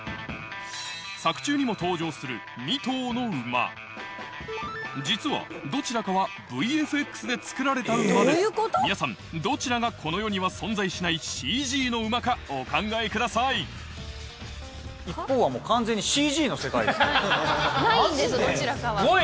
まず実はどちらかはＶＦＸで作られた馬です皆さんどちらがこの世には存在しないＣＧの馬かお考えくださいないんですどちらかは。